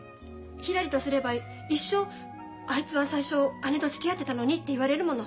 ひらりとすれば一生あいつは最初姉とつきあってたのにって言われるもの。